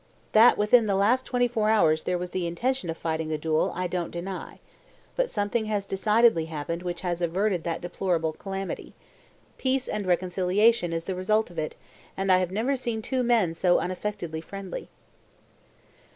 That within the last twenty four hours there was the intention of fighting a duel, I don't deny. But something has decidedly happened which has averted that deplorable calamity. Peace and reconciliation is the result of it, and I have never seen two men so unaffectedly friendly."